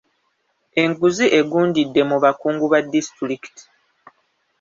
Enguzi egundidde mu bakungu ba disitulikiti.